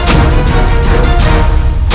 sebelum aku mendapatkan pusaka keris setan kobel